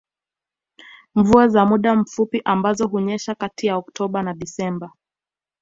Mvua za muda mfupi ambazo hunyesha kati ya Oktoba na Desemba